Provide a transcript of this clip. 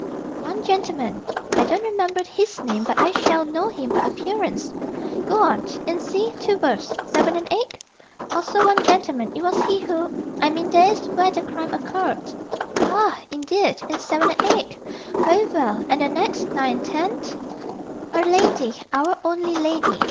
"One gentleman. I don't remember his name. But I shall know him by appearance." "Go on. In c, two berths, 7 and 8?" "Also one gentleman. It was he who I mean, that is where the crime occurred." "Ah, indeed, in 7 and 8? Very well. And the next, 9 and 10?" "A lady. Our only lady.